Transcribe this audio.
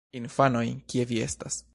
Infanoj... kie vi estas?